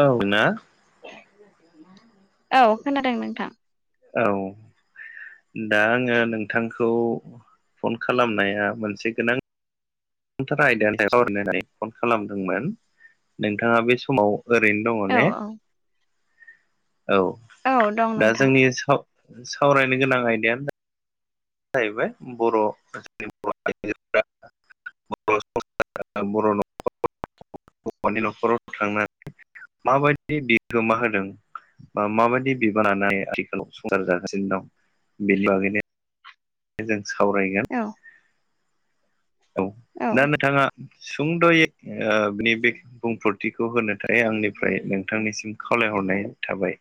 औ ना औ खोनादों नोंथां औ दा आङो नोंथांखौ फन खालामनाया मोनसे गोनां थार आयदानि सावरायनो होननानै फन खालामदोंमोन नोंथाङा बे समाव ओरैनो औ दङ' ने औ औ दं दा नोंथां जोंनि सावरायनो गोनां आयदानो जाहैबाय बर'निजो बर'ख हौवानि न'खराव थांनानै माबायदि बिहोमा होदों माबायदि बिबानानो आथिखालाव संसार जागासिनो दं बेनि बैनो जों सावरायगोन औ औ दा नोंथाङा सुंद'यै बे बे बुंफोरथिखौ होनो थाखाय आंनिफ्राय नोंथांनिसिम खावलायहरनाय थाबाय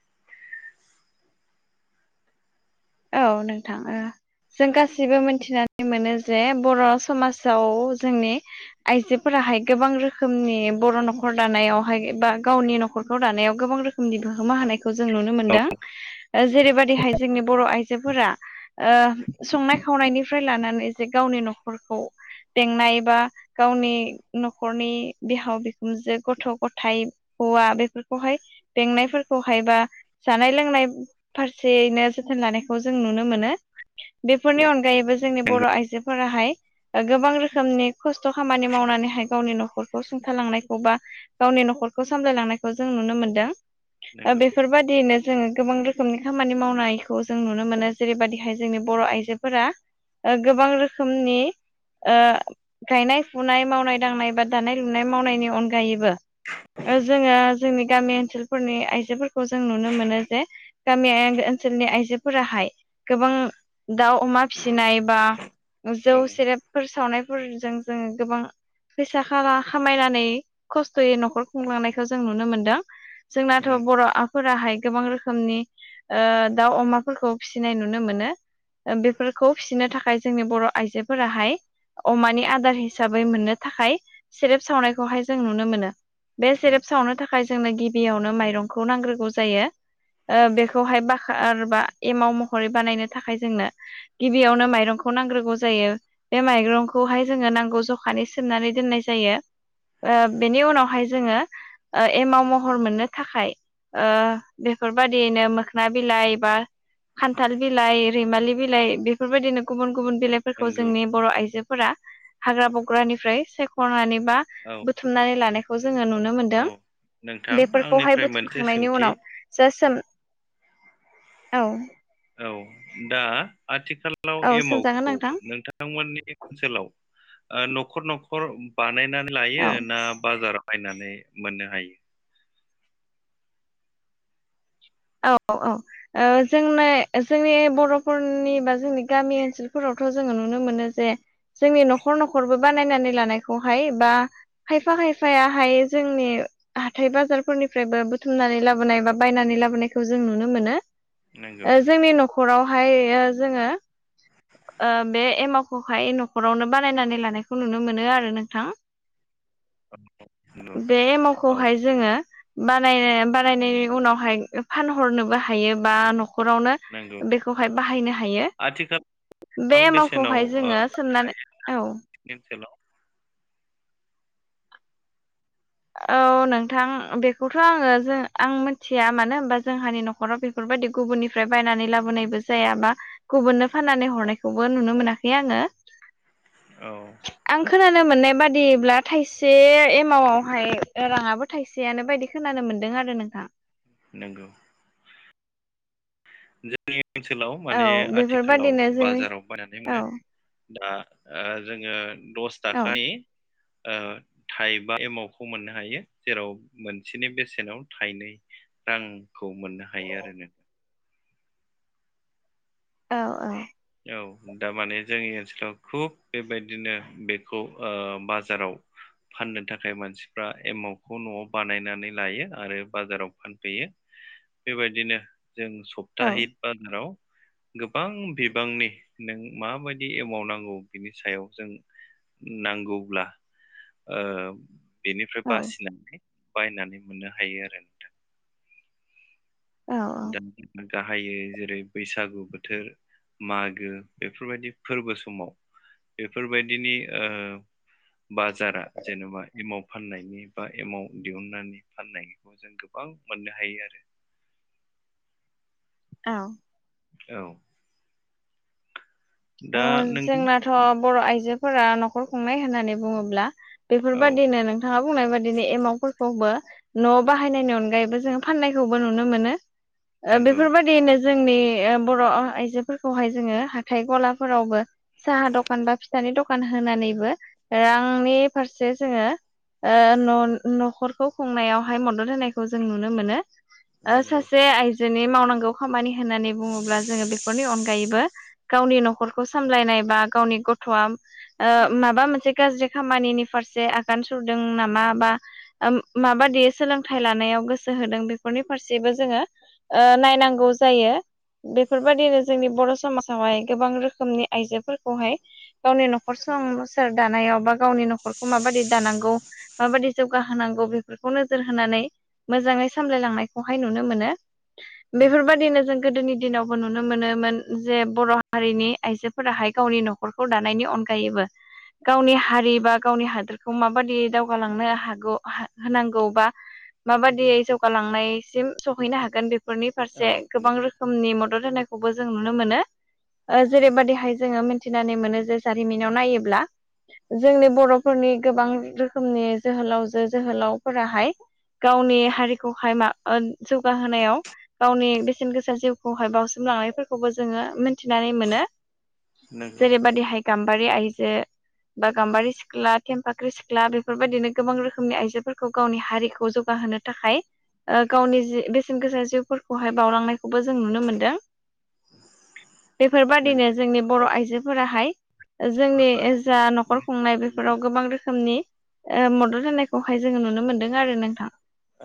औ नोंथाङो जों गासिबो मिथिनानै मोनो जे बर' समाजाव जोंनि आइजोफोराहाय गोबां रोखोमनि बर' न'खर दानायावहाय बा गावनि न'खरखौ दानायाव गोबां रोखोम बिहोमा होनायखौ जों नुनो मोनदों जेरैबायदिहाय जोंनि बर आइजोफोरा संनाय खावनायनिफ्राय लानानै जे गावनि न'खरखौ बेंनाय बा गावनि न'खरनि बिहाव बिखुनजो गथ' गथायाइ हौवा बेफोरखौहाय बेंनायफोरखौहाय बा जानाय लोंनाय फारसेयैनो जों लानायखौ जों नुनो मोनो बेफोरनि अनगायैबो जोंनि बर' नोंगौ आइजोफोराहाय गोबां रोखोमनि खस्थ' खामानि मावनानैहाय गावनि न'खरखौ सुंथालांनायखौ बा गावनि न'खरखौ सामलायलांनायखौ जों नुनो मोनदों नंगौ बेफोरबायदियैनो जोङो गोबां रोखोमनि खामानि मावनायखौ जों नुनो मोनो जेरैबायाददिहाय जोंनि बर' आइजोफोरा गोबां रोखोमनि गायनाय फुनाय मावनाय दांनाय बा दानाय लुनाय मावनायनि अनगायैबो जोङो जोंनि गामि ओनसोल फोरनि आइजोफोरखौ जों नुनो मोनो जे गामि ओनसोलनि आइजोफोराहाय गोबां दाउ अमा फिसिनाय बा जौ सेरेब फोर सावनायफोरजों जोङो गोबां फैसाा खामायनानै खस्थ'यै न'खर खुंलांनायखौ जों नुनो मोनदों जोंनाथ' नंगौ बर'फोराहाय गोबां रोखोमनि दाउ अमा फोरखौ फिसिनाय नुनो मोनो बेफोरखौ फिसिनो थाखाय जोंनि बर' आइजोफोराहाय अमानि आदार हिसाबै मोननो थाखाय सेरेब सावनायखौहाय जों नुनो मोनो बे सेरेब नंगौ सावनो थाखाय थाखाय जोंनो गिबियावनो माइरंखौ नांग्रोगौ जायो ओ बेखौहाय बाहाबा एमाव महरै बानायनो थाखाय जोंनो गिबियावनो माइरंखौ नांग्रोगौ जायो बे माइरंखौहाय जोङो नांगौ जखानि सोमनानै दोननाय जायो ओ बेनि उनावहाय जोङो एमाव महर मोननो थाखाय ऐ बेफोरबादियैनो मोखोना बिलाइ एबा खान्थाल बिलाइ रैमालि बिलाइ बेफोरबायदिनो गुबुन गुबुन बिलाइफोरखौ नंगौ जोंनि बर आइजो फोरा हाग्रा बंग्रानिफ्राय सायख नानै बा औ बुथुमनानै लानायखौ जोङो नुनो मोनदों औ नोंथां बेफोरखौहाय आंनिफ्राय मोनसे बुथुमखांनायनि सोंथि उनाव जे सोम औ औ दा आथिखालाव औ सोंजागोन एमावखौ नोंथां बिथांमोननि ओनसोलाव न'खर न'खर बानायनानै लायो औ ना बाजाराव बायनानै मोननो हायो औ औ औ जोंनि जोंनि बर'फोरनि बा जोंनि गामि ओनसोलफोरावथ' जोङो नुनो मोनो जे जोंनि न'खर न'खरबो बानायनानै लानायखौहाय बा खायफा खायफायाहाय जोंनि हाथाय बाजारफोरनिफ्रायबो बुथुमनानै लाबोनाय बा बायनानै लाबोनाय खौ जों नुनो मोनो नंगौ जोंनि नखरावहाय जोङो ओ बे एमावखौहाय न'खरावनो बानायनानै लानायखौ नुनो मोनो आरो नोंथां नंगौ बे औ एमावखौहाय जोङो बानाय बानायनायनि उनावहाय फानहरनोबो हायो बा नखरावनो नंगौ बेखौहाय बाहायनो हायो आथिखाल बे गोबां एमावखौहाय जोङो सोंमनानै औ नि ओनसोलाव औ नोंथां बेखौथ आङो जों आं मिथिया मानो होनोमबा जोंहानि नखराव बेफ फोरबायदि गुबुननिफ्राय बायनानै लाबोनायबो जायाबा गुबुननो फाननानै हरनायखौबो नुनो मोनाखै आङो औ आं खोनानो मोननाय बादिब्ला थाइसे एमावआव हाय राङाबो थाइसेयानो बायदि खोनानो मोन्दों आरो नोंथां नंगौ जोंनि ओनसोलाव औ माने आथिखालाव बेफोरबादिनो जोंनि बाजाराव बायनानै औ मोनो दा जोङो दस औ थाखानि ओ थाइबा एमावखौ मोननो हायो जेराव मोनसेनि बेसेनाव थाइनै रांखौ मोननो हायो आरो नों औ औ औ दामाने जोंनि ओनसोलाव खुब बेबायदिनो बेखौ ओ बाजाराव फाननो थाखाय मानसिफ्रा एमाउखौ न'आव बानायनानै लायो आरो बाजाराव फानफैयो बेबायदिनो जों औ सप्ताहि बाजाराव गोबां बि बांनि नों माबायदि एमाव नांगौ बिनि सायाव जों नांगौब्ला ओ बेनिफ्राय बासिनानै बायनानै मोननो हायो आरो नोंथां औ दा औ जों गाहायो जेरै बैसागु बोथोर मागो बेफोरबायदि फोरबो समाव बेफोरबायदिनि ओ बाजारा जेनेबा एमाव फाननायनि बा एमाउ दिहुनन्नानै फाननायखौ जों गोबां मोननो हायो आरो औ औ दा ओ नों जोंनाथ' बर' आइजोफोरा न'खर खुंनाय होननानै बुङोब्ला औ बेफोरबाददिनो नोंथाङा बुंनाय बादिनो एमाउ फोरखौबो न' बाहायनायनि अनगायैबो जोङ फाननायखौबो नुनो मोनो नंगौ बेफोरबायदियैनो जोंनि बर' आइजोफोरखौहाय जोङो हाथाय गलाफोरावबो साहा दखान बा फिथानि दखान होनानैबो रांनि फारसे जोङो न' न'खरखौ खुंनायावहाय मदद होनायखौ जों नुनो मोनो। नंगौ सासे आइजोनि मावनांगौ खामानि होननानै बुङोब्ला जोङो बेफोरनि अनगायैबो गावनि न'खरखौ सामलायनाय बा गावनि गथ'आ माबा मोनसे गाज्रि खामानिनि फारसे आगान सुरदों नामा बा माबादि सोलोंथाइ लानायाव गोसो होदों बेफोरनि फारसेबो जोङो ओ नायनांगौ जायो बेफोरबायदिनो जोंनि बर समाजावहाय गोबां रोखोम खोमनि आइजोफोरखौहाय गावनि न'खर संसार दानायाव बा गावनि नखरखौ माबादि दानांगौ माबादि जौगा होनांगौ बेफोरखौ नोजोर होनानै मोजाङै सामलायलांनायखौहाय नुनो मोनो बेफोरबादिनो जों गोदोनि दिनावबो नुनो मोनोमोन जे बर' हारिनि आइजोफोराहाय गावनि न'खरखौ दानायनि अनगायैबो गावनि हारि बा गावनि हादोरखौ माबायदि दावगालांनो हागौ होनांगौ बा माबादि जौगालांनायसिम सहैनो हागोन बे फोरनि औ फारसे गोबां रोखोमनि मदद होनायखौबो जों नुनो मोनो ओ जेरैबायदिहाय जोङो मिन्थिनानै मोनो जे जारिमिनाव नायोब्ला जोंनि बर'फोरनि गोबां रोखोमनि जोहोलावजो जोहोलावफोराहाय गावनि हारिखौहाय मा जौगाहोनायाव गावनि बेसेन गोसा जिउखौहाय बावसिम लांनायफोरखौबो जोङो थिनानै मोनो नंगौ जेरैबदिहाय गाम्बारि आइजो बा गाम्बारि सिख्ला थेमफाख्रि सिख्ला बेफोरबायदिनो गोबां रोखोमनि आइजोफोरखौ गावनि हारिखौ जौगाहोनो थाखाय गावनि जि बेसेन गोसा जिउफोरखौहाय बावलांनाय खौबो जों नुनो मोनदों बेफोरबायदि नो नोंथांनाव जोंनि बर' आइजोफोराहाय जोंनि फ जा न'खर मिथिनो खुंनाय मोनबाय बेफोराव गोबां रोखोमनि मदद होनायखौहाय जोङो नुनो मोन्दों आरो नोंथां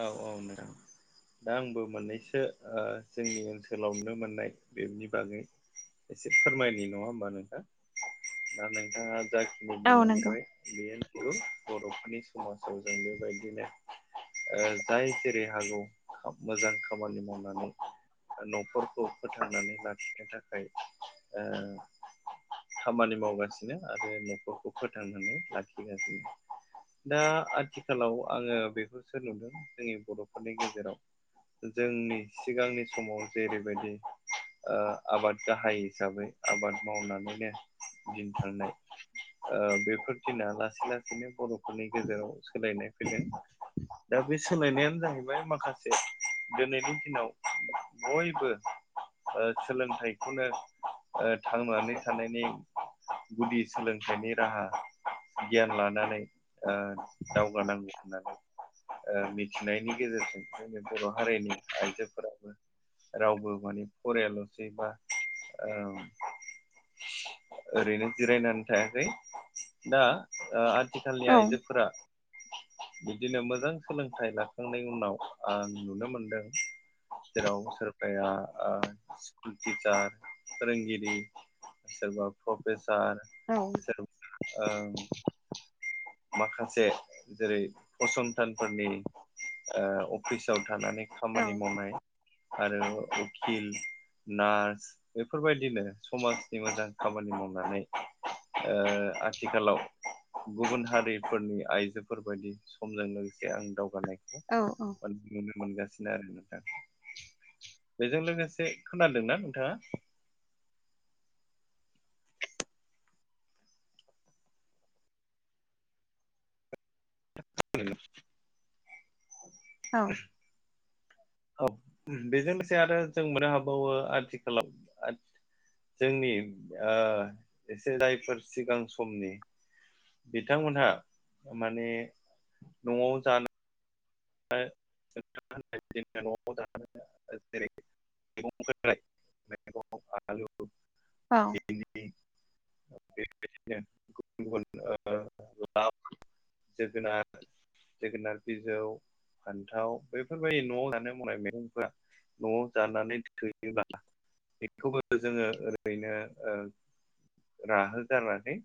औ औ मेडाम दा आंबो मोननैसो जोंनि ओनसोलाव नुनो मोननाय बेनि बागै एसे फोरमायनाय नङा होमबा नोंथाङ दा नोंथाङा जाय औ नंगौ बुंलांबाय बेयो नंगौ बर'फोरनि समाजाव जों बेबायदिनो ओ जाय जेरै हागौ मोजां खामानि मावनानै न'फोरखौ फोथांनानै लाखिनो थाखाय खामानि मावगासिनो आरो न'खरखौ फोथांनानै लाखिगासिनो दा आथिखालाव आङो बेखौसो नुदों जोंनि बर'फोरनि गेजेराव जोंनि सिगांनि समाव जेरैबायदि आबाद गाहाय हिसाबै आबाद मावनानैनो दिनथांनाय ओ बेफोर दिना लासै लासैनो बर'फोरनि गेजेराव सोलायनाय फैदों दा बे सोलायनायानो जाहैबाय माखासे दिनैनि दिनाव बयबो सोलोंथाइखौनो थांनानै थानायनि गुदि सोलोंथाइनि राहा गियान लानानै ओ दावगानांगौ होननानै ओ मिथिनायनि गेजेरजों जोंनि बर' हारिनि आइजोफोराबो रावबो माने फरायल'सै बा ओरैनो जिरायनानै थायाखै दा आथिखालनि औ आइजोफोरा बिदिनो मोजां सोलोंथाइ लाखांनायनि उनाव आं नुनो मोनदों जेराव सोर जाया स्कुल टिचार फोरोंगिरि सोरबा प्रफेसार औ ओ माखासे जेरै फसंथानफोरनि ओ अफिसाव थानानै औ खामानि मावनाय आरो उखिल नार्स बेफोरबायदिनो समाजनि मोजां खामानि मावनानै ओ आथिखालाव गुबुन हारिफोरनि आइजोफोरबायायदि समजों लोगोसे आं दावगानायखौ औ औ नुनो मोनगासिनो आरो नोंथां बेजों लोगोसे खोनादों न नोंथाङा औ [inaudible] औ बेजों लोगोसे आरो जों मोननो हाबावो आथिखालाव जोंनि ओ एसे जायफोर सिगां समनि बिथांमोनहा माने न'आव जानो नै [inaudible] खाय मेगं आलु, भिनदि [unintelligible] बेबायदिनो गुबुन गुबुन ओ लाव जोगोनार जोगोनार बिजौ फान्थाव बेफोरबायदि न'आव जानो मावनाय मैगंफ्रा न'आव जानानै थोयोब्ला बेखौबो जोङो ओरैनो ओ राहोगारनानै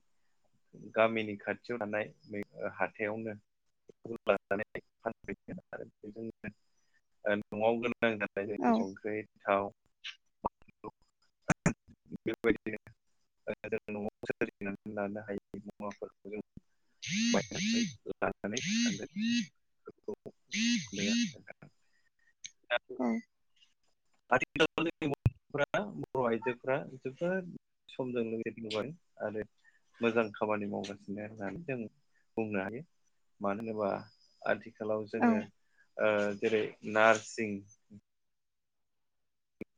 गामिनि खाथियाव थानाय ओ हाथायावनो [unintelligible] आरो बेजोंनो ओ न'आव गोनां जानाय जेरै औ संख्रै, थाव, [unintelligible] सोरजिनानै लानो हायै मुवाफोरखौ बायनानै लानानै थानो [unintelligible] ओ। आथिखालनि गथ'फोरा बर' आइजोफोरा जोबोद [unintelligible] मोजां खामानि मावगासिनो होननानै जों बुंनो हायो। मानो होनोबा आथिखालाव औ जोङो ओ जेरै नार्सिं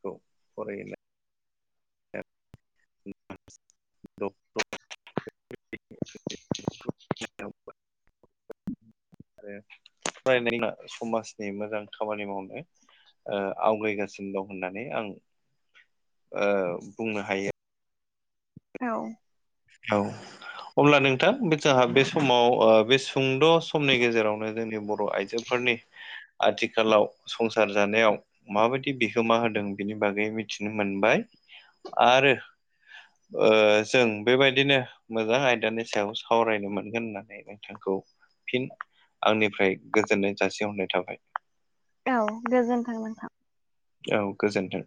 औ फराय होना [unintelligible] [unintelligible] आरो [unintelligible] समाजनि मोजां खामानि मावनो ओ आवगायगासिनो दं होननानै आं ओ बुंनो हायो। औ। औ। अब्ला नोंथां जोंहा बे समाव ओ बे सुंद' समनि गेजेरावनो जोंनि बर' आइजोफोरनि आथिखालाव संसार जानायाव माबायदि बिहोमा होदों बिनि बागै मिथिनो मोनबाय आरो ओ जों बेबायदिनो मोजां आयदानि सायाव सावरायनो मोनगोन होननानै नोंथांखौ फिन आंनिफ्राय गोजोननाय जासिहरनाय थाबाय। औ गोजोन्थों नोंथां। औ गोजोन्थों।